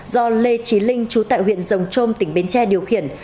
do lê trí linh chú tại huyện rồng trôm tỉnh bến tre điều khiển